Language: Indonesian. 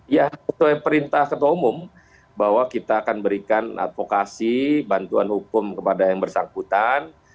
ya sesuai perintah ketua umum bahwa kita akan berikan advokasi bantuan hukum kepada yang bersangkutan